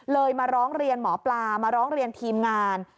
มาร้องเรียนหมอปลามาร้องเรียนทีมงาน